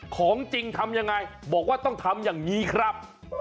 ของจริงทำยังไงบอกว่าต้องทำอย่างนี้ครับ